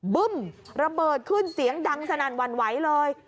บึ้มระเบิดขึ้นเสียงดังสนั่นหวั่นไหวเลย